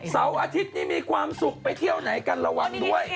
เสาร์อาทิตย์นี้มีความสุขไปเที่ยวไหนกันระวังด้วย